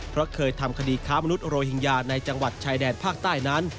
เพราะเคยทำคดีค้ามนุษยโรหิงญาในจังหวัดชายแดนภาคใต้นั้น